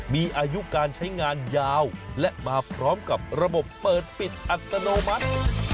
มีอายุการใช้งานยาวและมาพร้อมกับระบบเปิดปิดอัตโนมัติ